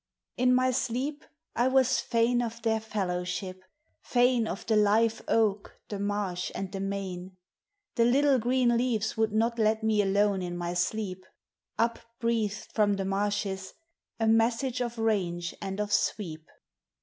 Ix my sleep I was fain of their fellowship, fain Of the live oak, the marsh and the main. The little greeE leaves would do! let me alon o my sleep. V — 17 258 POEMS OF NATURE. Upbreathed from the marshes, a message of range and of sweep.